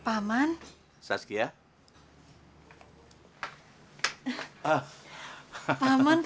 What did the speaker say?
apakah ini tidak menjijikan bapak